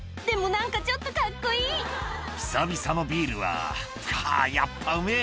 何かちょっとカッコいい「久々のビールはかっやっぱうめぇ」